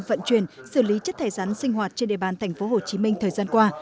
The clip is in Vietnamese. vận chuyển xử lý chất thải rắn sinh hoạt trên địa bàn tp hcm thời gian qua